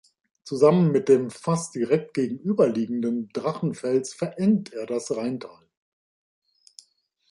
Zusammen mit dem fast direkt gegenüberliegenden Drachenfels verengt er das Rheintal.